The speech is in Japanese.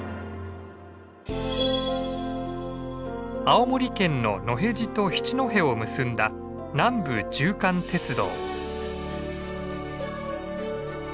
青森県の野辺地と七戸を結んだ南部縦貫鉄道。